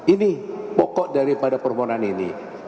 ini pokok daripada permohonan ini